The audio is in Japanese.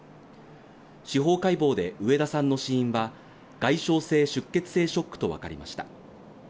司法解剖で植田さんの死因は、外傷性出血性ショックと分かりました。